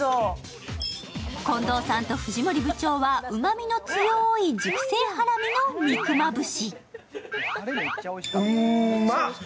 近藤さんと藤森部長は、うまみの強い熟成ハラミの肉まぶし。